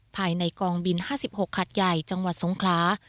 ภายในกองบิน๕๖ขัดใหญ่จังหวัดสงคลา